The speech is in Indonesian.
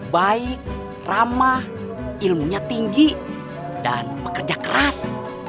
baik ramah ilmunya tinggi dan bekerja keras